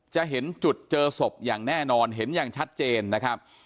จะเห็นจุดเจอศพอย่างแน่นอนเห็นอย่างชัดเจนนะครับ